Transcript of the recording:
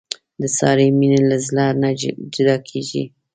د سارې مینه له زړه نه جدا کېږي.